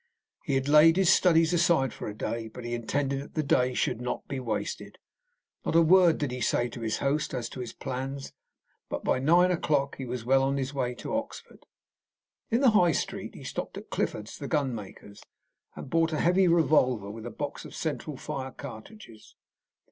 He had laid his studies aside for a day, but he intended that the day should not be wasted. Not a word did he say to his host as to his plans, but by nine o'clock he was well on his way to Oxford. In the High Street he stopped at Clifford's, the gun maker's, and bought a heavy revolver, with a box of central fire cartridges.